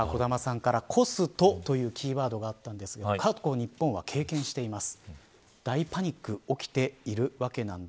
今、小玉さんからコストというキーワードがありましたが過去、日本は経験しています。